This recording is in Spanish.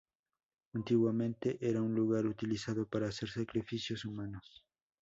Antiguamente era un lugar utilizado para hacer sacrificios humanos.